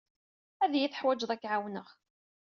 Ad iyi-teḥwijed ad k-ɛawneɣ.